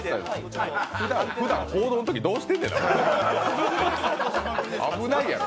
ふだん報道のときどうしてんねや、危ないやろ。